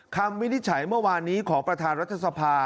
วินิจฉัยเมื่อวานนี้ของประธานรัฐสภา